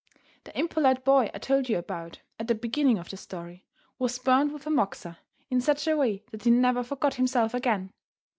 The impolite boy I told you about, at the beginning of the story, was burned with a moxa, in such a way that he never forgot himself again.